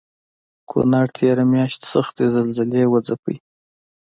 کونړ تېره مياشت سختې زلزلې وځپه